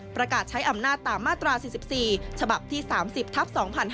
ประกาศใช้อำนาจตามมาตรา๔๔ฉบับที่๓๐ทัพ๒๕๕๙